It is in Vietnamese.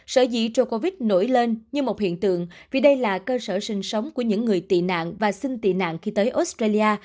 sở dĩ trôi covid nổi lên như một hiện tượng vì đây là cơ sở sinh sống của những người tị nạn và xin tị nạn khi tới australia